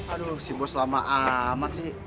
aduh si bos lama amat sih